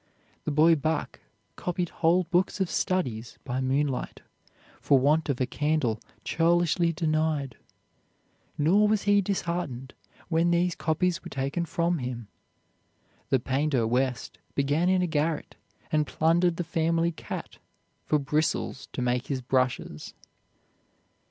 The boy Bach copied whole books of studies by moonlight, for want of a candle churlishly denied. Nor was he disheartened when these copies were taken from him. The painter West began in a garret, and plundered the family cat for bristles to make his brushes.